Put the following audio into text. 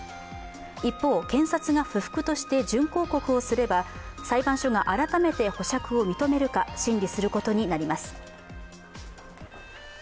一方、検察が不服として準抗告をすれば裁判所が改めて保釈を認めるか審理することになります。